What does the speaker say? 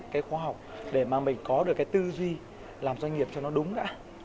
cái khoa học để mà mình có được cái tư duy làm doanh nghiệp cho nó đúng đã